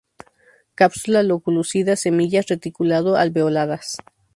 Cápsula loculicida; semillas reticulado-alveoladas.